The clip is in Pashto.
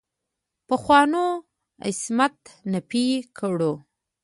پخوانو عصمت نفي کړو.